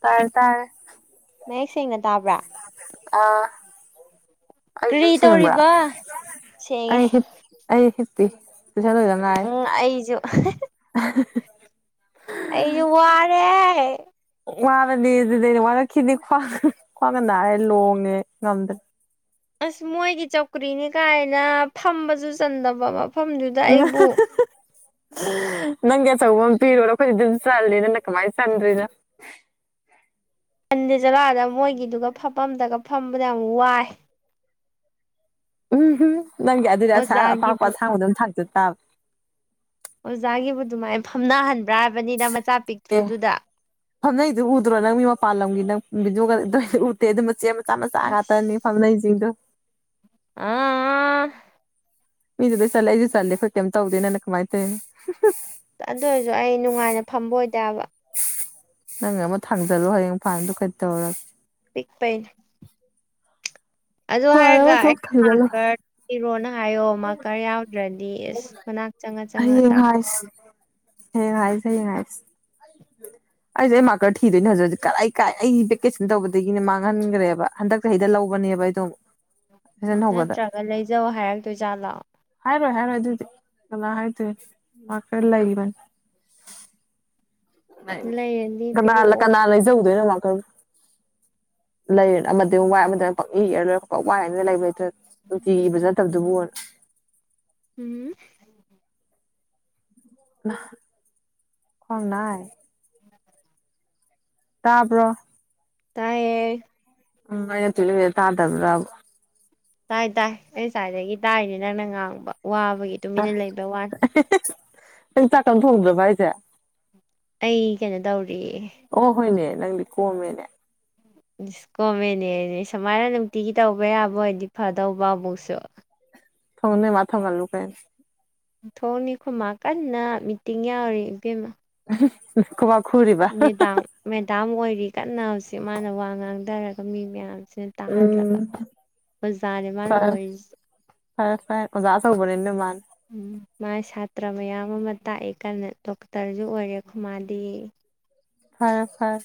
ꯇꯥꯔꯦ ꯇꯥꯔꯦ ꯅꯌꯦꯛ ꯁꯦꯡꯅ ꯇꯥꯕ꯭ꯔꯥ ꯑꯥ ꯑꯩ ꯑꯗꯨꯝ ꯀꯔꯤ ꯁꯤꯦꯡꯕ ꯇꯧꯔꯤꯕ ꯁꯦꯡꯉꯦ ꯑꯩ ꯍꯞ ꯑꯩ ꯍ ꯇ ꯆꯂ ꯑꯣꯏꯗꯅꯦ ꯎꯝ ꯑꯩꯁꯨ [inaudible] ꯑꯩ ꯌ ꯋꯥꯔꯦ ꯋꯥꯔꯅꯤ ꯑꯗꯨꯗꯅꯦ ꯋꯥꯔꯛꯈꯤꯅꯤ ꯈ꯭ꯋꯥꯡ ꯈ꯭ꯋꯥꯡꯒ ꯂꯣꯡꯉꯦ ꯉꯝꯗ꯭ꯔꯦ ꯑꯁ ꯃꯣꯏꯒꯤ ꯆꯧꯀ꯭ꯔꯤꯅꯤ ꯀꯥꯏꯅ ꯐꯝꯕꯁꯨ ꯆꯟꯗꯕ ꯃꯐꯝꯗꯨꯗ ꯑꯩꯕꯨ ꯅꯪꯒꯤ ꯑꯆꯧꯕ ꯑꯃ ꯄꯤꯔꯨꯔꯣ ꯑꯩꯈꯣꯏꯗꯤ ꯑꯗꯨꯝ ꯆꯜꯂꯦ ꯅꯅꯪ ꯀꯃꯥꯏꯅ ꯆꯟꯗꯔꯤꯅꯣ ꯐꯟꯗꯤꯦ ꯆꯠꯂꯛꯑꯗ ꯃꯣꯏꯒꯤꯗꯨꯒ ꯐꯐꯝꯝꯗꯒ ꯐꯝꯕꯗ ꯌꯥꯝ ꯋꯥꯏ ꯎꯝꯝ ꯅꯪꯒꯤ ꯑꯗꯨꯗꯤ ꯑꯁꯥ ꯑꯄꯥꯛꯄ ꯑꯣꯖꯥꯒꯤꯕꯨ ꯑꯁꯥꯡꯕꯗꯝ ꯊꯥꯛꯇ ꯇꯥꯕ ꯑꯣꯖꯥꯒꯤꯕꯨ ꯑꯗꯨꯃꯥꯏꯅ ꯐꯝꯅꯍꯟ ꯑꯦ ꯐꯅꯩꯗꯨ ꯎꯗ꯭ꯔꯣ ꯅꯪ ꯃꯤ ꯃꯄꯥꯜ ꯂꯝꯒꯤ ꯅꯪ ꯎꯠꯇꯦ ꯑꯗꯨ ꯃꯆꯦ ꯃꯆꯥ ꯃꯆꯥ ꯑꯁ ꯉꯥꯛꯇꯅꯤ ꯐꯝꯅꯩꯁꯤꯡꯗꯣ ꯑꯥ ꯃꯤꯗꯨꯗ ꯆꯠꯂꯦ ꯑꯩꯁꯨ ꯆꯠꯂꯦ ꯑꯩꯣꯏ ꯀꯩꯝꯇ ꯇꯧꯗꯦꯅꯅ ꯀꯃꯥꯏ ꯇꯧꯦ ꯑꯗꯨ ꯑꯣꯏꯔꯁꯨ ꯑꯩ ꯅꯨꯡꯉꯥꯏꯅ ꯐꯝꯕ ꯑꯣꯏꯗꯕ ꯅꯪ ꯑꯃ ꯊꯥꯡꯖꯜꯂꯣ ꯍꯌꯦꯡ ꯐꯥꯟꯜꯗ ꯀꯩ ꯇꯧꯔꯒꯦ ꯄꯤꯛꯄꯟ ꯑꯗꯨ ꯍꯥꯏꯔꯒ ꯋꯥꯔꯕ ꯑꯩ ꯊꯣꯛ ꯊꯥꯡꯖꯜꯂꯣ ꯈꯔ ꯊꯤꯔꯣꯅ ꯍꯥꯏꯌꯣ ꯃꯥ ꯈꯔ ꯌꯥꯎ ꯔꯗꯤꯁ ꯃꯅꯥꯛ ꯆꯪꯉ ꯆꯪꯉ ꯇꯥꯛꯊꯣꯛꯀꯅꯤ ꯍ ꯉꯁ ꯍꯦ ꯉꯁ [inaudible] ꯑꯩꯁꯦ ꯑꯩ ꯃꯥꯔꯀꯔ ꯊꯗꯣꯏꯅꯦ ꯍꯧꯖꯤꯛ ꯍꯧꯖꯤꯛ ꯀꯥꯏ ꯀꯥꯏ ꯑꯩ ꯚꯦꯀꯦꯁꯟ ꯇꯧꯕꯗꯒꯤꯅꯦ ꯃꯥꯡꯍꯟꯈ꯭ꯔꯦꯕ ꯍꯟꯗ ꯆꯍꯤ ꯍꯗ ꯂꯧꯕꯅꯦ ꯕꯥꯏꯗꯣ ꯅꯠꯇ꯭ꯔꯒ ꯂꯩꯖꯧ ꯍꯥꯏꯔꯛꯇꯣꯏ ꯖꯥꯠ ꯂꯥꯛꯑꯣ ꯍꯥꯏꯔꯣꯏ ꯍꯥꯏꯔꯣꯏ ꯑꯗꯨꯗꯤ ꯀꯅꯥ ꯍꯥꯏꯗꯣꯏꯦ ꯃꯥ ꯈꯔ ꯂꯩꯕꯅꯤ ꯂꯩꯔꯗꯤ ꯀꯂ ꯄꯤꯔꯛꯑꯣ ꯀꯅꯥ ꯂꯩꯖꯧꯗ ꯃꯥ ꯂꯩ ꯑꯃꯗꯤ ꯋꯥꯏ ꯑꯃ ꯄ ꯏ ꯂꯣꯏ ꯋꯥꯏ ꯂꯩꯕ ꯂꯩ ꯎꯇꯤꯒꯤ ꯐꯖ ꯅꯠꯇꯕꯗꯨꯕꯨ ꯎꯝ ꯈꯣꯟ ꯅꯥꯏ ꯇꯥꯄꯣ ꯇꯥꯏꯌꯦ ꯎ ꯃ ꯊ ꯇꯥꯗꯕ꯭ꯔꯕ ꯇꯥꯏ ꯇꯥꯏ ꯑꯩ ꯁꯥꯏꯏꯗꯒꯤ ꯇꯥꯏꯅꯤ ꯅꯪꯅ ꯉꯥꯡꯕ ꯋꯥꯕꯒꯤ ꯇꯨꯃꯤꯟꯅ ꯂꯩꯕ ꯋꯥꯅꯤ ꯅꯪ ꯆꯥꯛꯀ ꯊꯣꯡꯗꯕ ꯍꯥꯏꯁꯦ ꯑꯩ ꯀꯩꯅꯣ ꯇꯧꯔꯤ ꯅꯪ ꯂꯤ ꯀꯣ ꯃꯦꯅꯦ ꯀꯣꯝꯃꯦꯅꯦꯅꯦ ꯁꯨꯃꯥꯏꯅ ꯅꯨꯡꯇꯤꯒꯤ ꯇꯧꯕ ꯌꯥꯕ ꯍꯥꯏꯗꯤ ꯐꯗꯧꯕꯕꯨꯛꯁꯨ ꯊꯣꯟꯦ ꯃꯥꯊ ꯃꯔ ꯂꯨ ꯀꯥꯏ ꯊꯣꯡꯅꯤ ꯈꯨꯃ ꯀꯟꯅ ꯃꯤꯇꯤꯡ ꯌꯥꯎꯔꯤ ꯏꯕꯦꯝꯃ ꯎ ꯃꯦꯗꯥꯝ ꯃꯦꯗꯥꯝ ꯑꯣꯏꯔꯤ ꯀꯟꯅ ꯍꯧꯖꯤ ꯃꯥꯅ ꯋꯥ ꯉꯥꯡꯊꯔꯒ ꯃꯤ ꯃꯌꯥꯝ ꯁꯤꯅ ꯎꯝ ꯇꯥꯍꯜꯂꯒ ꯑꯣꯖꯥꯅꯦ ꯃꯥꯅ ꯐꯔꯦ ꯑꯣꯏꯔꯤꯁ ꯐꯔꯦ ꯐꯦ ꯑꯣꯖꯥ ꯆ ꯀ ꯅꯅꯤꯗꯣ ꯏ ꯃꯥꯅ ꯎꯝ ꯃꯥꯥꯏ ꯁꯥꯇ꯭ꯔ ꯃꯌꯥꯝ ꯑꯃ ꯇꯥꯛꯑꯦ ꯀ ꯗꯣꯛꯇꯔꯁꯨ ꯑꯣꯏꯔꯦ ꯈꯨ ꯃꯥꯗꯤ ꯐꯔꯦ ꯐꯔꯦ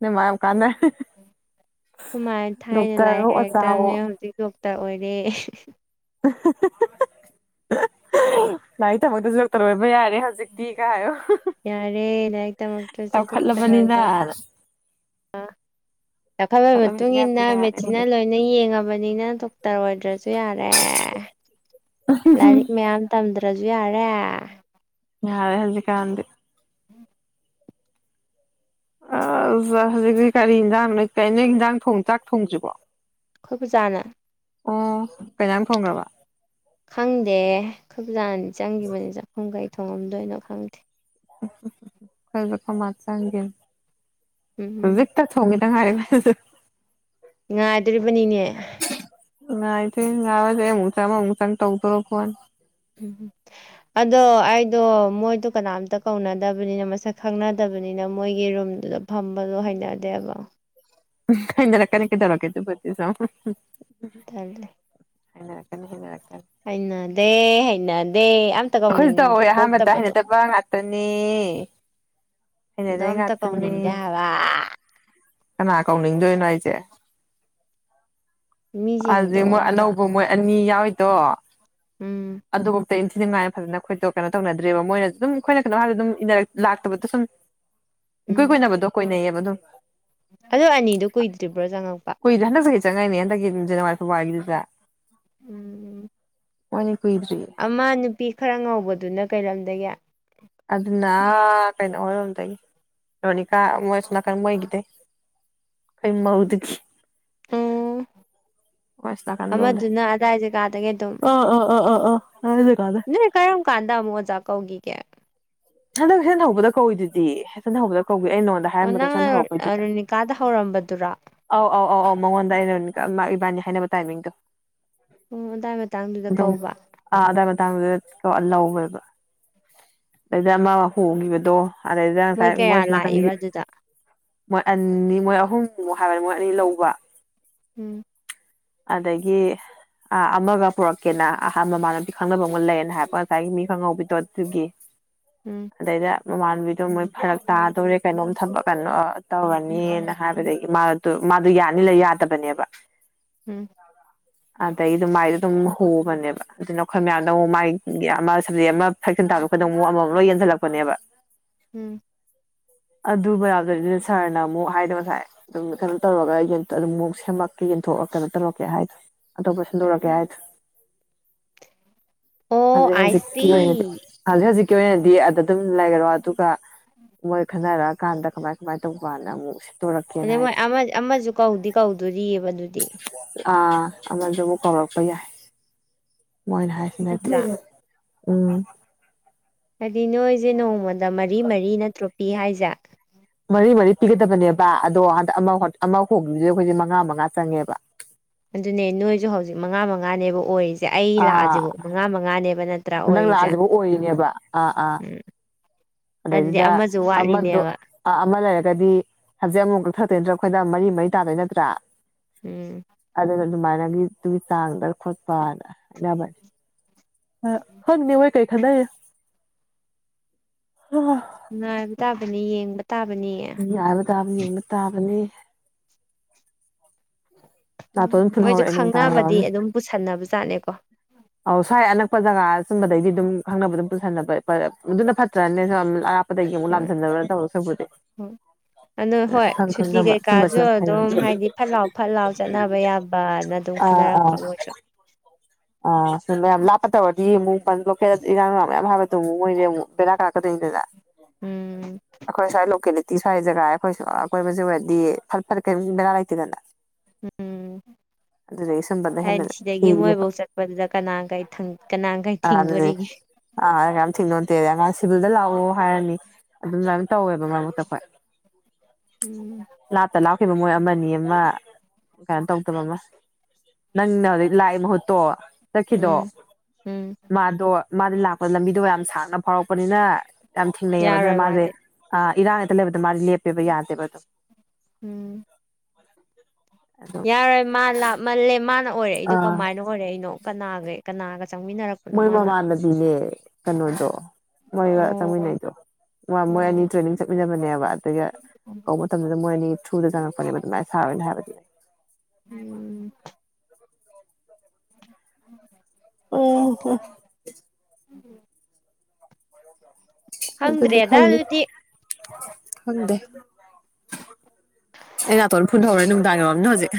ꯅꯃꯌꯥꯝ ꯌꯥꯝ ꯀꯥꯟꯗꯦ ꯍꯨꯃꯥꯏ ꯊꯥꯏꯅ ꯂꯥꯏ ꯗꯣꯛꯇꯔꯋꯣ ꯑꯣꯖꯥꯋꯣ ꯍꯔꯛꯇꯕꯅꯦ ꯍꯧꯖꯤꯛ ꯇ ꯑꯣꯏꯔꯦ ꯂꯥꯏꯔꯤ ꯊꯃꯛꯇꯁꯨ ꯗꯣꯛꯇ ꯂꯣꯏꯕ ꯌꯥꯔꯦ ꯍꯧꯖꯤꯛꯇꯤ ꯀꯥꯏꯌꯣ ꯌꯥꯔꯦ ꯂꯥꯏꯔꯤꯛ ꯇꯝꯃꯛꯇ꯭ꯔꯁꯨ ꯆꯥꯎꯈꯠꯂꯕꯅꯤꯅ ꯑꯥ ꯆꯈꯠꯄ ꯃꯇꯨꯡ ꯏ ꯏꯌꯥꯇ ꯃꯇꯨꯡꯏꯟꯅ ꯌꯥꯔꯦ ꯃꯦꯆꯤꯟꯅ ꯂꯣꯏꯅ ꯌꯦꯡꯉꯕꯅꯤꯅ ꯗꯣꯛꯇꯔ ꯑꯣꯏꯗ꯭ꯔꯁꯨ ꯌꯥꯔꯦ ꯂꯥꯏꯔꯤꯛ ꯃꯌꯥꯝ ꯇꯝꯗ꯭ꯔꯁꯨ ꯌꯥꯔꯦ ꯌꯥꯔꯦ ꯍꯖꯤ ꯀꯗꯗꯤ ꯑ ꯍꯧꯖꯤꯛꯁꯤ ꯀꯔꯤ ꯌꯦꯟꯁꯥꯡꯅꯣꯏ ꯀꯩꯅꯣ ꯍꯟꯖꯥꯡ ꯊꯣꯡ ꯆꯥꯛ ꯊꯣꯡꯗ꯭ꯔꯤꯕꯣ ꯑꯩꯈꯣꯏꯕꯨꯖꯥꯅ ꯑꯣ ꯀꯩꯅꯝ ꯐꯣꯡꯈ꯭ꯔꯕ ꯈꯪꯗꯦ ꯈꯨꯛꯖꯥꯅꯗꯤ ꯆꯪꯈꯤꯕꯅꯤ ꯆꯥꯛꯈꯨꯝ ꯀꯩ ꯊꯣꯡꯉꯝꯗꯣꯏꯅꯣ ꯈꯪꯗꯦ ꯈꯔꯖ ꯀ ꯃ ꯆꯥꯡꯦ ꯇ ꯎꯝ ꯍ ꯇꯉꯔꯦ ꯃꯥ ꯉꯥꯏꯗꯣꯔꯤꯕꯅꯤꯅꯦ ꯉ ꯏ ꯊ ꯌꯥ ꯑꯋꯥꯖꯦꯆꯥ ꯑꯃꯁꯥꯅꯤ ꯇꯧꯗꯔ ꯐꯅꯤ ꯎꯝꯝ ꯑꯗꯣ ꯑꯩꯗꯣ ꯃꯣꯏꯗꯣ ꯀꯅꯥꯝꯇ ꯀꯧꯅꯗꯕꯅꯤꯅ ꯃꯁꯛ ꯈꯪꯅꯗꯕ ꯑꯗꯨꯕꯅꯤꯅ ꯃꯣꯏꯒꯤ ꯔꯨꯝꯗꯨꯗ ꯐꯝꯕꯗꯣ ꯍꯩꯅꯗꯦꯕ ꯑꯅ ꯂ ꯀꯅꯤ ꯀ ꯇꯧꯔ ꯀꯦ ꯇꯨꯄꯤꯁ ꯊꯦ ꯍꯅꯀꯦꯅꯤ ꯍꯅꯦ ꯍꯩꯅꯗꯦ ꯑꯝꯇ ꯑꯩꯈꯣꯏꯁꯨ ꯀꯧꯅꯤꯡꯕ ꯇꯧꯋꯦ ꯑꯍꯥꯟꯕꯗ ꯄꯣꯛꯇꯕꯗꯣ ꯍꯥꯏꯅꯗꯕ ꯉꯥꯛꯇꯅꯤ ꯑꯗꯣ ꯏꯩꯅꯗ ꯑꯝꯇ ꯀꯠꯇꯅꯤ ꯀꯧꯅꯤꯡꯗꯦ ꯍꯥꯏꯕ ꯀꯅꯥ ꯑꯦꯀꯥꯎꯇꯗꯣꯏꯅꯏꯁꯦ ꯃꯤꯁꯤꯡꯗꯣ ꯑꯗꯨꯖꯤꯗꯤ ꯃꯣꯏ ꯑꯝꯇ ꯑꯅꯧꯕ ꯃꯣꯏ ꯑꯅꯤ ꯌꯥꯎꯋꯗꯣ ꯎꯝ ꯑꯗꯨꯒ ꯏꯟꯊꯤ ꯅꯨꯡꯉꯥꯏꯅ ꯐꯖꯅ ꯑꯩꯈꯣꯏꯗꯣ ꯀꯩꯅꯣ ꯇꯧꯅꯗ꯭ꯔꯦꯕ ꯃꯣꯏꯅꯁꯨ ꯑꯗꯨꯝ ꯑꯩꯈꯣꯏꯅ ꯀꯩꯅꯣ ꯍꯥꯏ ꯑꯗꯨꯝꯔ ꯂꯥꯛꯇꯕꯗꯣ ꯁꯨꯝ ꯏꯀꯨꯏ ꯎꯝ ꯀꯣꯏꯅꯕꯗꯣ ꯀꯣꯏꯅꯩꯌꯦꯕ ꯑꯗꯨꯝ ꯑꯗꯣ ꯑꯅꯤꯗꯣ ꯀꯨꯏꯗ꯭ꯔꯤꯕ꯭ꯔꯣ ꯆꯪꯉꯛꯄ ꯀꯨꯏꯗ ꯍꯟꯗꯛꯦ ꯆꯪꯉꯥꯏꯅꯤꯅꯦ ꯌꯦꯟꯦꯖ ꯃ ꯄꯕꯒꯗ ꯎꯝ ꯎ ꯀꯨꯏꯗ꯭ꯔꯤꯌꯦ ꯑꯃꯥ ꯅꯨꯄꯤ ꯈꯔ ꯉꯧꯕꯗꯨꯅ ꯀꯩꯔꯝꯗꯒꯦ ꯑꯗꯨꯅ ꯀꯩꯅꯩꯅꯣ ꯑꯣꯔ ꯇꯒꯤ ꯔꯣꯅꯤ ꯀꯥ ꯃꯁꯅꯥ ꯀ ꯃꯣꯏꯒꯤꯗꯦ ꯀꯩ ꯃꯧꯗ ꯑ ꯃꯣꯏ ꯑꯁꯣꯝ ꯅꯥꯀꯟ ꯂꯣꯝꯗꯩ ꯑꯃꯗꯨꯅ ꯑꯗꯥꯏꯁꯦ ꯀꯥꯗꯗꯒꯤ ꯑꯗꯨꯝ ꯑꯥ ꯑꯥ ꯑꯥ ꯑꯥ ꯑꯥ ꯀꯥꯟꯅꯗꯦ ꯀꯥꯟꯅꯗꯦ ꯅꯣꯏ ꯀꯔꯝ ꯀꯥꯟꯗꯥ ꯃꯖꯥꯛ ꯀꯧꯒꯤ ꯀꯌꯥ ꯍꯟꯗꯛ ꯍꯦꯛꯆꯟ ꯍꯧꯕꯗ ꯀꯧꯏꯗꯨꯗꯤ ꯍꯁꯟ ꯍꯧꯕꯗ ꯀꯧꯏ ꯑꯩ ꯅꯉꯣꯟꯗ ꯑꯣ ꯍꯥꯏꯔꯝꯕꯗ ꯍꯆꯟ ꯅꯪꯅ ꯍꯧꯔꯛꯄꯩꯗꯨꯗ ꯔꯣꯅꯤꯀꯥꯗ ꯍꯧꯔꯝꯕꯗꯨꯔꯣ ꯑꯧ ꯑꯧ ꯑꯧ ꯑꯧ ꯃꯉꯣꯟꯗ ꯑꯩꯅ ꯏꯕꯥꯅꯤ ꯍꯥꯏꯅꯕ ꯇꯥꯏꯃꯤꯡꯗꯣ ꯎ ꯑꯗꯨꯗꯥꯏ ꯃꯇꯥꯡꯗꯨꯗ ꯑꯗꯨꯝ ꯀꯧꯕ ꯑꯥ ꯑꯗꯥꯏ ꯃꯇꯥꯡꯗꯨꯗ ꯊꯣꯛꯣꯛꯑ ꯂꯧꯋꯦꯕ ꯑꯗꯩꯗ ꯑꯃ ꯍꯣꯡꯈꯤꯕꯗꯣ ꯑ ꯃꯣꯏ ꯀꯌꯥ ꯃꯣꯁ ꯂꯥꯛꯏꯕ ꯑꯗꯨꯗ ꯃꯣꯏ ꯑꯅꯤꯅꯤ ꯃꯣꯏ ꯑꯍꯨꯝꯅꯤꯃꯨ ꯍꯥꯏꯕꯅꯤ ꯃꯣꯏ ꯑꯅꯤ ꯂꯧꯕ ꯎꯝ ꯑꯗꯨꯗꯒꯤ ꯑꯥ ꯑꯃꯒ ꯄꯨꯔꯛꯀꯦꯅ ꯑꯍ ꯃꯃꯅꯄꯤ ꯈꯪꯅꯕ ꯑꯃ ꯂꯩꯌꯦꯦꯅ ꯍꯥꯏꯕ ꯉꯁꯥꯏꯒꯤ ꯃꯤ ꯈꯪꯍꯧꯕꯤꯗꯣ ꯑꯗꯨꯒꯤ ꯎꯝ ꯑꯗꯩꯗ ꯃꯃꯥꯟꯅꯕꯤꯗꯣ ꯃꯣꯏ ꯐꯔꯛ ꯇꯥ ꯇꯧꯔꯦ ꯀꯩꯅꯣꯝ ꯊ ꯀꯩꯅꯣ ꯇꯧꯔꯅꯤꯅ ꯍꯥꯏꯕꯗꯒꯤ ꯃꯥ ꯃꯥꯗꯣ ꯌꯥꯅꯤꯂ ꯌꯥꯗꯕꯅꯦꯕ ꯎꯝ ꯑꯗ ꯏ ꯃꯥꯗꯨ ꯍꯧꯕꯅꯦꯕ ꯑꯗꯨꯅ ꯑꯩꯈꯣꯏ ꯃꯌꯥꯝꯗ ꯑꯃꯨꯛ ꯃꯥꯒꯤ ꯑꯃ ꯁꯕꯖꯦꯛ ꯑꯃ ꯐꯦꯛꯁꯤꯟ ꯇꯥꯕ ꯈꯨꯣꯏꯗꯡ ꯑꯃꯨꯛ ꯑꯃꯃꯝ ꯂꯣꯏ ꯌꯦꯟꯁꯤꯜꯂꯛꯄꯅꯦ ꯌꯥꯕ ꯎꯝ ꯑꯗꯨ ꯌꯥꯎꯗꯗꯤ ꯁꯥꯔꯅ ꯑꯃꯨꯛ ꯍꯥꯏꯗꯤꯣ ꯉꯁꯥꯏ ꯑꯗꯨꯝ ꯀꯩꯅꯣ ꯇꯧꯔꯒ ꯑꯗꯨꯝ ꯑꯃꯨꯛ ꯁꯦꯝꯃꯛꯀꯦ ꯑ ꯀꯩꯅꯣ ꯇꯧꯔꯛꯀꯦ ꯍꯥꯏꯗꯣ ꯑꯇꯣꯞꯄ ꯁꯟꯗꯣꯔꯛꯑꯀꯦ ꯎꯝ ꯍꯥꯏꯗ ꯑꯣ ꯍꯧ ꯑꯥꯏ ꯁꯤ ꯍꯧꯖꯤꯛꯀꯤ ꯑꯣꯏꯅꯗꯤ ꯑ ꯍꯧꯖꯤꯛꯀꯤ ꯑꯣꯏꯅꯗꯤ ꯑ ꯑꯗꯨꯝ ꯂꯩꯔꯔꯣ ꯑꯗꯨꯒ ꯃꯣꯏ ꯈꯟꯅꯔꯛꯑꯀꯥꯟꯗ ꯀꯃꯥꯏ ꯀꯃꯥꯏꯅ ꯇꯧꯕꯅ ꯑꯃꯨꯛ ꯁꯤꯟꯗꯣꯔꯛꯀꯦꯅ ꯑꯗꯩ ꯍꯥꯏꯗꯣ ꯃꯣꯏ ꯑꯃꯁꯨ ꯀꯧꯗꯤ ꯀꯧꯗꯣꯔꯤꯑꯕ ꯑꯗꯨꯗꯤ ꯑꯥ ꯑꯃꯗꯨꯕꯨ ꯀꯧꯔꯛꯄ ꯌꯥꯏ ꯃꯣꯏꯅ ꯍꯥꯏꯁꯤꯅꯗꯤ ꯅꯠꯇ꯭ꯔꯥ ꯎꯝ ꯍꯥꯏꯗꯤ ꯅꯣꯏꯁꯦ ꯅꯣꯡꯃꯗ ꯃꯔꯤ ꯃꯔꯤ ꯅꯠꯇ꯭ꯔꯣ ꯄꯤ ꯍꯥꯏꯁꯦ ꯃꯔꯤ ꯃꯔꯤ ꯄꯤꯒꯗꯕꯅꯦꯕ ꯑꯗꯣ ꯍꯟꯗꯛ ꯑꯃ ꯑꯃ ꯍꯣꯡꯕꯗꯨꯁ ꯑꯩꯈꯣꯏꯁꯦ ꯃꯉꯥ ꯃꯉꯥ ꯆꯪꯉꯦꯕ ꯑꯗꯨꯅꯦ ꯅꯣꯏꯁꯨ ꯍꯧꯖꯤꯛ ꯃꯉꯥ ꯃꯉꯥꯅꯦꯕ ꯑꯣꯏꯔꯤꯁꯦ ꯑꯩ ꯑꯥ ꯂꯥꯛꯑꯁꯤꯕ ꯃꯉꯥ ꯃꯉꯥꯅꯦꯕ ꯅꯠꯇ ꯅꯪ ꯂꯥꯛꯑꯁꯤꯕꯨ ꯑꯣꯏꯔꯤꯅꯦꯕ ꯑꯥ ꯑꯥ ꯎꯝ ꯑꯗꯨꯗꯤ ꯑꯗꯩꯗꯨꯗ ꯑꯃꯁꯨ ꯑꯃꯗ ꯋꯥꯠꯂꯤꯅꯦꯕ ꯑꯃ ꯂꯩꯔꯒꯗꯤ ꯍꯧꯖꯤꯛ ꯑꯃꯨꯛꯇ ꯊꯛꯇꯣꯏ ꯑꯩꯈꯣꯏꯅ ꯃꯔꯤ ꯃꯔꯤ ꯇꯥꯗꯣꯏ ꯅꯠꯇ꯭ꯔꯥ ꯎꯝ ꯑꯗꯨꯃꯥꯏꯅꯒꯤꯗꯨꯒꯤ ꯆꯥꯡꯗ ꯈꯣꯠꯄꯅ ꯍꯥꯏꯅꯕꯅꯤ ꯍꯣꯏꯅꯤ ꯑꯣꯏꯣꯏ ꯀꯩ ꯈꯅ ꯅ ꯇꯥꯕꯅꯤ ꯌꯦꯡ ꯌꯥꯕ ꯇꯥꯕꯅꯤ ꯌꯦꯡꯕ ꯇꯥꯕꯅꯦ ꯎꯝ ꯅꯥꯇꯣꯟ ꯃꯣꯏꯁꯨ ꯐꯨꯟꯍꯧꯔꯛꯑꯦ ꯅꯨꯡꯗꯥꯡ ꯈꯪꯅꯕꯗꯤ ꯌꯥꯝꯅ ꯑꯗꯨꯝ ꯄꯨꯁꯟꯅꯕ ꯆꯥꯠꯅꯦꯀꯣ ꯑꯧ ꯁ꯭ꯋꯥꯏ ꯑꯅꯛꯄ ꯖꯒꯥ ꯆꯨꯝꯕꯗꯒꯤꯗꯤ ꯑꯗꯨꯝ ꯈꯪꯅꯕ ꯑꯗꯨꯝ ꯄꯨꯁꯟꯅꯕ ꯑꯗꯨꯅ ꯐꯠꯇ꯭ꯔꯅꯦ ꯑꯒꯤ ꯃꯨꯂꯝ ꯆꯟꯗꯕꯔ ꯇꯧ ꯁꯄꯗꯦ ꯑꯗꯨ ꯍꯣꯏ ꯁꯨꯇꯤ ꯀꯩꯀꯥꯁꯨ ꯑꯗꯨꯝ ꯐꯩ ꯍꯥꯏꯗꯤ ꯐꯠ ꯂꯥꯎ ꯐꯠ ꯂꯥꯎ ꯆꯠꯅꯕ ꯌꯥꯕꯅ ꯑꯗꯨꯝ ꯈꯟꯅꯔꯛꯄ ꯃꯣꯏꯁꯨ ꯑ ꯁꯤ ꯌꯥꯝ ꯂꯥꯛꯄ ꯇꯋꯥꯗꯤ ꯂꯣꯀꯦꯜ ꯏꯔꯥꯡ ꯂ ꯃꯌꯥꯝ ꯍꯥꯏꯕꯗꯨ ꯑꯃꯨꯛ ꯃꯣꯏꯁ ꯑꯃꯨꯛ ꯕꯦꯔꯥ ꯀꯥꯛꯀꯣꯏꯅꯤꯗꯅ ꯎꯝ ꯑꯩꯈꯣꯏ ꯁꯥꯏ ꯂꯀꯦ ꯇꯤ ꯁ꯭ꯋꯥꯏ ꯖꯒꯥ ꯑꯩꯈꯣꯏꯁꯨ ꯑꯩꯣꯏ ꯃꯆ ꯑꯣꯏꯔꯗꯤ ꯐꯠ ꯐꯠ ꯀꯔꯤꯝ ꯖꯒꯥ ꯂꯩꯇꯦꯗꯅ ꯎꯝ ꯑꯗꯨꯗ ꯑꯩ ꯁꯝꯕꯗ ꯍꯦꯂ ꯍꯥꯏꯗꯤ ꯁꯤꯗꯒꯤ ꯊ ꯃꯣꯏꯐꯧ ꯆꯠꯄꯗꯨꯗ ꯀꯅꯥꯒꯩ ꯀꯅꯥꯒꯩ ꯑꯗ ꯊꯤꯡꯗꯣꯔꯤꯒꯦ ꯑ ꯊꯅꯣꯇꯦꯔꯉꯥꯡ ꯁꯤꯕꯨ ꯗ ꯂꯥꯛꯑꯣ ꯍꯥꯏꯔꯅꯤ ꯑꯗꯨ ꯑꯗꯨꯃꯥꯏꯅ ꯇꯧꯋꯦꯕ ꯃꯔꯛ ꯃꯔꯛꯇ ꯈꯣꯏ ꯎꯝ ꯂꯥꯛꯇ ꯂꯥꯛ ꯈꯤꯕ ꯃꯣꯏ ꯑꯃ ꯑꯃ ꯀꯩꯅꯣ ꯇꯧꯗꯕ ꯑꯃ ꯅꯪꯅ ꯍꯧꯖꯤꯛ ꯂꯥꯛꯏ ꯃꯍꯨ ꯇꯣ ꯆꯠꯈꯤꯗꯣ ꯎꯝ ꯎꯝ ꯃꯥꯗꯣ ꯃꯥꯗꯤ ꯂꯥꯛꯄꯗ ꯂꯝꯕꯤꯗꯣ ꯌꯥꯝ ꯁꯥꯡꯅ ꯐꯥꯎꯔꯛꯄꯅꯤꯅ ꯌꯥꯝ ꯊꯦꯡꯅꯩꯑꯕ ꯑꯗꯨꯅ ꯌꯥꯔꯣꯏ ꯃꯥꯁꯦ ꯃꯥꯗꯤ ꯏꯔꯥꯡ ꯍꯛꯇ ꯂꯩꯕꯗ ꯃꯥꯗꯤ ꯂꯦꯞꯄꯦꯕ ꯌꯥꯗꯦꯕ ꯑꯗꯣ ꯎꯝ ꯑꯗꯨ ꯌꯥꯔꯣꯏ ꯃꯥ ꯂꯥꯞꯃꯜꯂꯦ ꯃꯥꯅ ꯑꯣꯏꯔꯦ ꯑꯩꯗꯣ ꯑꯥ ꯀꯃꯥꯏꯅ ꯑꯣꯏꯔꯦꯩꯅꯣ ꯀꯅꯥꯒ ꯀꯅꯥꯒ ꯆꯪꯃꯤꯟꯅꯔꯛꯄꯅꯣ ꯃꯣꯏ ꯃꯥꯅ ꯃꯃꯥꯟꯅꯗꯤꯅꯦ ꯀꯩꯅꯣꯗꯣ ꯃꯣꯏꯒ ꯑꯣ ꯆꯪꯃꯤꯟꯅꯩꯗꯣ ꯃꯣꯏ ꯑꯣ ꯑꯅꯤ ꯇ꯭ꯔꯦꯅꯤꯡ ꯆꯠꯃꯤꯟꯅꯕꯅꯦꯕ ꯑꯗꯨꯒ ꯀꯧꯕ ꯃꯇꯝꯁꯤꯗ ꯃꯣꯏ ꯑꯅꯤ ꯊꯨꯗ ꯆꯪꯉꯛꯄꯅꯦꯕ ꯑꯗꯨꯃꯥꯏꯅ ꯁꯥꯔꯣꯏꯅꯦ ꯍꯥꯏꯕꯗꯨꯅꯦ ꯎꯝ ꯎꯝ ꯑꯣ ꯍꯣ ꯑꯗ ꯈꯪꯗ꯭ꯔꯦꯗ ꯈꯜꯅꯤ ꯑꯗꯨꯗꯤ ꯍꯪꯗꯦ ꯑꯦꯅꯥ ꯇꯅ ꯐꯨꯟ ꯊꯧꯔꯅꯅꯨꯡ ꯋꯥꯝ ꯅ ꯍꯧꯖꯤꯛ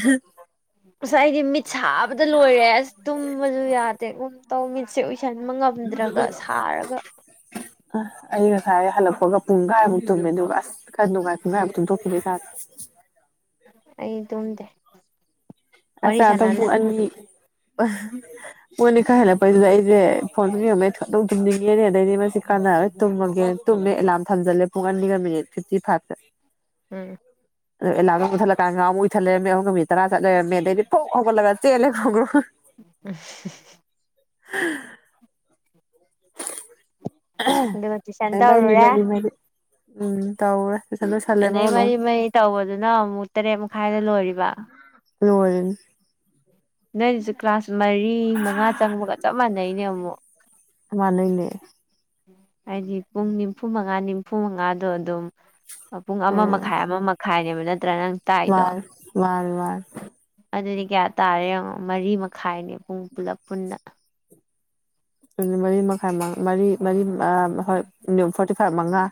ꯉꯁ ꯍꯥꯏꯗꯤ ꯃꯤꯠ ꯁꯥꯕꯗ ꯂꯣꯏꯔꯦ ꯑꯁ ꯇꯨꯝꯕꯁꯨ ꯌꯥꯗꯦꯒꯨꯝ ꯇꯧ ꯃꯤꯠꯁꯦ ꯎ ꯇꯩꯁꯟꯕ ꯉꯝꯗ꯭ꯔꯒ ꯁꯥꯔꯒ ꯑ ꯑꯩ ꯉꯁꯥꯏ ꯍꯜꯂꯛꯄꯒ ꯄꯨꯡ ꯀꯥꯏꯃꯨꯛ ꯇꯨꯝꯃꯦ ꯑꯗꯨꯒ ꯑꯁ ꯈꯔ ꯅꯨꯡꯉꯥꯏ ꯄꯨꯡꯈꯥꯏꯃꯨꯛ ꯇꯨꯝꯊꯣꯛꯈꯤꯗꯦꯦ ꯁꯥꯥꯛ ꯑꯩ ꯑꯗꯨꯝꯗꯦ ꯑꯁ ꯑꯗ ꯑ ꯑ ꯃꯣꯏꯅꯤ ꯀꯥꯏ ꯍꯥꯏꯦꯂ ꯄ ꯂꯩꯏꯁꯦ ꯐꯣꯟ ꯊ ꯊꯨꯝꯅꯤꯡꯉꯦꯅꯦ ꯑꯗꯩꯗꯤ ꯃꯁꯤ ꯀꯥꯟꯅꯔꯣꯏ ꯇꯨꯝꯃꯒꯦ ꯇꯨꯝꯃꯦ ꯑꯦꯂꯥꯔꯝ ꯊꯝꯖꯜꯂꯦ ꯄꯨꯡ ꯑꯅꯤꯒ ꯃꯤꯅꯤꯠ ꯐꯤꯞꯇꯤ ꯐꯥꯏꯚꯁꯦ ꯎꯝ ꯑꯗꯨꯂꯥꯗꯠꯊꯠꯂꯀꯥꯟꯒ ꯑꯃꯨꯛꯏꯊꯠꯂꯦ ꯑꯍꯨꯝ ꯅꯨꯠ ꯇꯔꯥ ꯆꯠꯂꯔꯦ ꯗꯤ ꯐ ꯍꯧꯕꯂ ꯆꯦꯂ ꯈꯣꯡꯈ꯭ꯔꯣ ꯑꯗꯨꯒ ꯇꯨꯏꯁꯟ ꯃ ꯃꯔꯤ ꯃ ꯇꯧꯔꯨꯔꯦ ꯎꯝ ꯇꯧꯔꯦ ꯇꯨꯏꯁꯟ ꯂꯣꯏꯁꯜꯂꯦ ꯑꯗꯩ ꯃꯔꯣꯟ ꯑꯍꯨꯝ ꯃꯔꯤ ꯃꯔꯤ ꯇꯧꯕꯗꯨꯅ ꯑꯃꯨꯛ ꯇꯔꯦꯠ ꯃꯈꯥꯏꯗ ꯂꯣꯏꯔꯤꯕ ꯍꯦꯟ ꯅꯣꯏꯁꯨ ꯀ꯭ꯂꯥꯁ ꯃꯔꯤ ꯃꯉꯥ ꯆꯪꯕꯒ ꯆꯞ ꯃꯥꯟꯅꯩꯅꯦ ꯑꯃꯨꯛ ꯃꯥ ꯂꯩꯅꯦ ꯍꯥꯏꯗꯤ ꯄꯨꯡ ꯅꯤꯝꯐꯨ ꯃꯉꯥ ꯅꯤꯐꯨ ꯃꯉꯥꯗꯣ ꯑꯗꯨꯝ ꯄꯨꯡ ꯑꯃ ꯎꯝ ꯃꯈꯥꯏ ꯑꯃ ꯃꯈꯥꯏꯅꯦꯕ ꯅꯠꯇ꯭ꯔꯥ ꯅꯪ ꯇꯥꯏꯗꯣ ꯃꯥꯅꯤ ꯃꯥꯅꯤ ꯃꯥꯅꯤ ꯑꯗꯨꯗꯤ ꯀꯌꯥ ꯇꯥꯔꯦ ꯌꯦ ꯃꯔꯤ ꯃꯈꯥꯏꯅꯦ ꯄꯨꯡ ꯄꯨꯂꯞ ꯄꯨꯟꯅ ꯃꯔꯤ ꯃꯈꯥꯏ ꯃꯔꯤ ꯃꯔꯤ ꯍꯣꯏ ꯐꯣꯔꯇꯤ ꯐꯥꯏꯚ ꯃꯉꯥ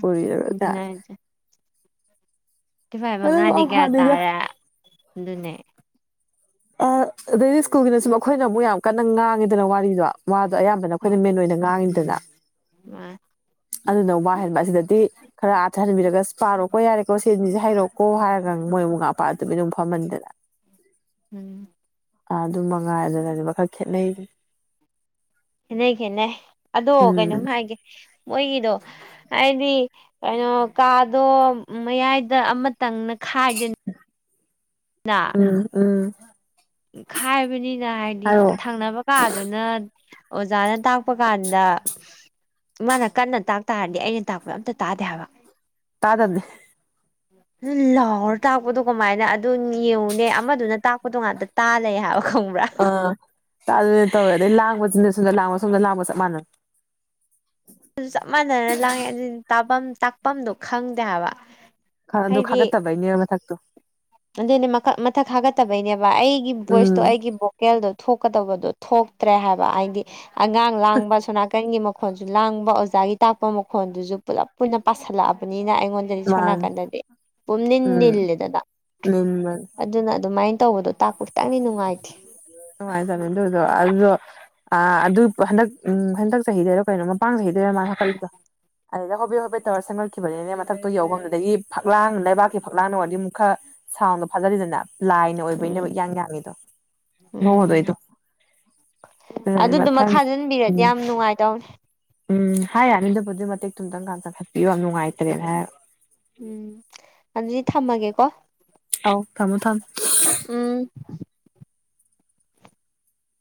ꯀ ꯅ ꯆ ꯤ ꯐꯥꯏꯚ ꯃꯉꯥꯗꯤ ꯀꯌꯥ ꯍꯥꯟꯅꯤꯗ ꯇꯥꯔꯦ ꯑꯗꯨꯅꯦ ꯑ ꯑꯗꯩꯗꯤ ꯁ꯭ꯀꯨꯜꯒꯤꯅꯁꯨ ꯑꯩꯈꯣꯏꯅ ꯑꯃꯨꯛ ꯌꯥꯝ ꯀꯟꯅ ꯉꯥꯡꯉꯤꯗꯅ ꯋꯥꯔꯤꯗꯣ ꯑꯗꯣ ꯑꯌꯥꯝꯕꯅ ꯑꯩꯈꯣꯏꯅ ꯃꯦꯟ ꯑꯣꯏꯅ ꯉꯥꯡꯉꯤꯗꯅ ꯃꯥ ꯑꯗꯨꯅ ꯋꯥꯍꯟꯕ ꯑꯁꯤꯗꯗꯤ ꯈꯔ ꯑꯥꯊꯍꯟꯕꯤꯔꯒ ꯄꯥꯔꯣꯀꯣ ꯌꯥꯔꯦꯀꯣ ꯁꯤꯦꯟꯁꯦ ꯍꯥꯏꯩꯔꯛꯀꯣ ꯍꯥꯏꯔꯒ ꯃꯣꯏꯕꯨꯛ ꯉꯥꯄꯥ ꯑꯗꯨꯃ ꯑꯗꯨꯝ ꯐꯝꯍꯟꯗꯅ ꯎꯝ ꯑ ꯑꯗꯨꯝ ꯃꯉꯥꯏ ꯑꯗꯨꯅ ꯑꯗꯨꯕ ꯈꯔ ꯈꯦꯠꯅꯩꯅꯤ ꯈꯦꯠꯅꯩ ꯈꯦꯠꯅꯩ ꯑꯗꯣ ꯎꯝ ꯀꯩꯅꯣꯝ ꯍꯥꯏꯒꯦ ꯃꯣꯏꯒꯤꯗꯣ ꯍꯥꯏꯗꯤ ꯀꯩꯅꯣ ꯀꯥꯗꯣ ꯃꯌꯥꯏꯗ ꯑꯃ ꯇꯪꯅ ꯈꯥꯏꯗꯅꯤ ꯅ ꯎꯝ ꯎꯝ ꯎ ꯈꯥꯏꯕꯅꯤꯅ ꯍꯥꯏꯗꯤ ꯍꯥꯏꯔꯣ ꯊꯪꯅꯕ ꯀꯥꯗꯨꯅ ꯑꯣꯖꯥꯅ ꯇꯥꯛꯄ ꯀꯥꯟꯗ ꯃꯥꯅ ꯀꯟꯅ ꯇꯥꯛ ꯇꯥꯔꯗꯤ ꯑꯩꯅ ꯇꯥꯛꯄꯗ ꯑꯝꯇ ꯇꯥꯗꯦ ꯍꯥꯏꯕ ꯇꯥꯗꯗꯦ ꯂꯥꯎꯔ ꯇꯥꯛꯄꯗꯣ ꯀꯃꯥꯏꯅ ꯑꯗꯨ ꯌꯦꯡꯉꯨꯅꯦ ꯑꯃꯗꯨꯅ ꯇꯥꯛꯄꯗꯣ ꯉꯥꯛꯇ ꯇꯥꯂꯦ ꯍꯥꯏꯕ ꯈꯣꯡꯕ꯭ꯔꯥ ꯇꯅꯦ ꯇꯧꯋꯦ ꯑꯗꯩ ꯂꯥꯡꯕꯁꯤꯅꯦ ꯁꯣꯝꯗ ꯂꯥꯡꯕ ꯁꯣꯝꯗ ꯂꯥꯡꯕ ꯆꯞ ꯃꯥꯟꯅ ꯑꯗꯨ ꯆꯞ ꯃꯥꯟꯅꯅ ꯂꯥꯡꯉꯦ ꯑꯗꯨ ꯇꯥꯐꯝ ꯇꯥꯛꯐꯝꯗꯣ ꯈꯪꯗꯦ ꯍꯥꯏꯕ ꯑꯗꯨ ꯍꯥꯏꯗꯤ ꯈꯒꯠꯇ ꯚꯅꯤꯔꯝ ꯊꯥꯛꯛꯇꯣ ꯑꯗꯨꯅꯦ ꯃꯈꯛ ꯃꯊꯛ ꯊꯒꯠꯇꯕꯩꯅꯦꯕ ꯑꯩꯒꯤ ꯚꯣꯏꯁꯇꯣ ꯎꯝ ꯑꯩꯒꯤ ꯚꯣꯀꯦꯜꯗꯣ ꯊꯣꯛꯀꯗꯧꯕꯗꯣ ꯊꯣꯛꯇ꯭ꯔꯦ ꯍꯥꯏꯕ ꯍꯥꯏꯗꯤ ꯑꯉꯥꯡ ꯂꯥꯡꯕ ꯁꯣ ꯅꯥꯀꯟꯒꯤ ꯃꯈ ꯃꯈꯣꯟꯁꯨ ꯂꯥꯡꯕ ꯑꯣꯖꯥꯒꯤ ꯇꯥꯛꯄ ꯃꯈꯣꯟꯗꯨꯁꯨ ꯄꯨꯂꯞ ꯀ ꯄꯨꯏꯅ ꯄꯥꯁꯜꯂꯛꯑꯕꯅꯤ ꯑꯅ ꯑꯩꯉꯣꯟꯗꯗꯤ ꯁꯣꯝ ꯃꯥꯅꯤ ꯅꯥꯀꯟꯗꯗꯤ ꯄꯨꯝꯅꯤꯟ ꯅꯤꯜꯂꯦꯗꯅ ꯅꯦꯝꯃꯜ ꯑꯗꯨꯅ ꯑꯗꯨꯃꯥꯏꯅ ꯃꯦ ꯇꯧꯕꯗꯣ ꯇꯥꯛꯄ ꯈꯤꯇꯪꯗꯤ ꯅꯨꯡꯉꯥꯏꯇꯦ ꯑꯗꯨ ꯑꯗꯨ ꯑꯗꯨ ꯑ ꯑꯗꯨ ꯍꯟꯗꯛ ꯎ ꯍꯟꯗꯛ ꯆꯍꯤꯗꯔꯣ ꯀꯩꯅꯣ ꯃꯄꯥꯡ ꯆꯍꯤꯗꯔꯣ ꯃꯥꯅ ꯍꯥꯀꯠꯂꯤꯗꯣ ꯑꯗꯨꯗꯩ ꯍꯣꯕꯦ ꯍꯣꯕꯦ ꯇꯧꯔ ꯁꯦꯝꯒꯠꯈꯤꯕꯅꯤꯅꯦ ꯃꯊꯛꯇ ꯌꯧꯐꯝꯗꯨꯗꯒꯤ ꯐꯛꯂꯥꯡ ꯂꯩꯕꯥꯛꯀꯤ ꯐꯛꯂꯥꯡꯅ ꯋꯥꯔꯤ ꯑꯃꯨꯛ ꯈꯔ ꯁꯥꯎꯟꯗꯣ ꯐꯥꯖꯔꯤꯗꯅ ꯂꯥꯏꯅꯣ ꯣꯏꯕ ꯎꯝ ꯌꯥꯝ ꯌꯥꯝꯗꯣ ꯍꯉꯗ ꯎꯝ ꯑꯩꯗꯣ ꯑꯗꯨꯗꯨꯃ ꯈꯥꯖꯤꯟꯕꯤꯔꯗꯤ ꯎꯝ ꯌꯥꯝ ꯅꯨꯡꯉꯥꯏꯇꯧꯅꯦ ꯎꯝ ꯍꯥꯏ ꯌꯥꯅꯤꯗꯕꯨꯗꯤ ꯃꯇꯦꯛ ꯊꯨꯝꯇꯪꯀꯥꯟ ꯆꯪꯈꯠꯄꯤꯌꯨ ꯌꯥꯝ ꯅꯨꯡꯉꯥꯏꯇ꯭ꯔꯦꯅꯦ ꯍꯥꯏ ꯎꯝ ꯑꯗꯨꯗꯤ ꯊꯝꯃꯒꯦꯀꯣ ꯊꯃꯨ ꯊꯝ ꯎꯝ